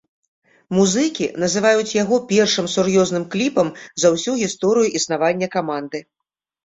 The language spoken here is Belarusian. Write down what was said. Музыкі называюць яго першым сур'ёзным кліпам за ўсю гісторыю існавання каманды.